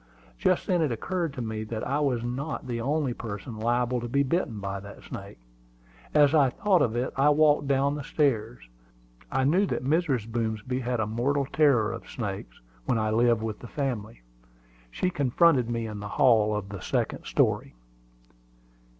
Just then it occurred to me that I was not the only person liable to be bitten by that snake. As I thought of it, I walked down the stairs. I knew that Mrs. Boomsby had a mortal terror of snakes when I lived with the family. She confronted me in the hall of the second story.